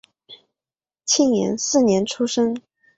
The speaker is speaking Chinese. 建炎四年出生。